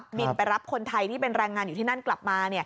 บินไปรับคนไทยที่เป็นแรงงานอยู่ที่นั่นกลับมา